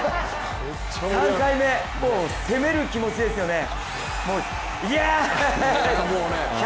３回目、もう攻める気持ちですよね。